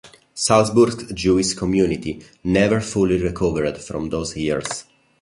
Salzburg's Jewish community never fully recovered from those years.